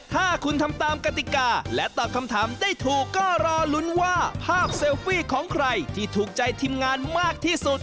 ถ้าคุณทำตามกติกาและตอบคำถามได้ถูกก็รอลุ้นว่าภาพเซลฟี่ของใครที่ถูกใจทีมงานมากที่สุด